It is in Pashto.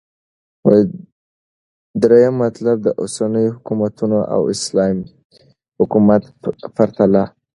دريم مطلب - داوسنيو حكومتونو او اسلامې حكومت پرتله